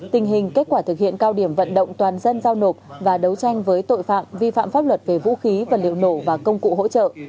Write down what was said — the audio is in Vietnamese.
tình hình kết quả thực hiện cao điểm vận động toàn dân giao nộp và đấu tranh với tội phạm vi phạm pháp luật về vũ khí vật liệu nổ và công cụ hỗ trợ